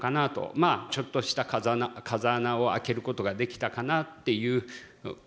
まあちょっとした風穴を開けることができたかなっていう思いはありました。